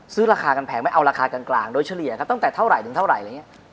ซื้อราคากันแผงไม่เอาราคากลางโดยเฉลี่ยตั้งแต่เท่าไหร่ถึงเท่าไหร่